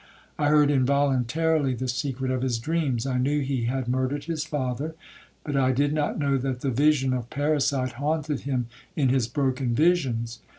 I heard involuntarily the secret of his dreams. I knew he had murdered his father, but I did not know that the vision of parricide haunted him in his broken visions.